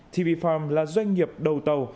tv farm là doanh nghiệp đầu tàu